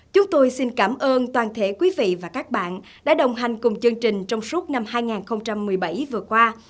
chúng tôi xin cảm ơn toàn thể quý vị và các bạn đã đồng hành cùng chương trình trong suốt năm hai nghìn một mươi bảy vừa qua